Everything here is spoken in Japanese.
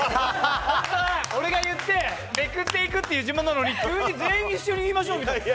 本当は俺が言って、めくっていくっていう順番なのに、急に全員一緒に言いましょうみたいな。